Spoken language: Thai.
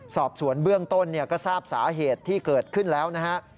สอบสวนเบื้องต้นก็ทราบสาเหตุที่เกิดขึ้นแล้วนะฮะ